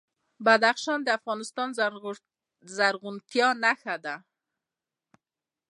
بدخشان د افغانستان د زرغونتیا نښه ده.